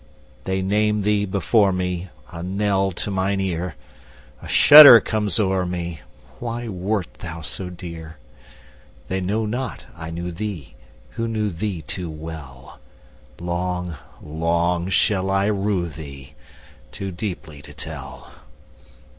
They name thee before me,A knell to mine ear;A shudder comes o'er me—Why wert thou so dear? They know not I knew theeWho knew thee too well:Long, long shall I rue theeToo deeply to tell.